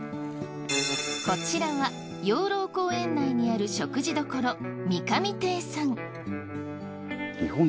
こちらは養老公園内にある食事処美上亭さん。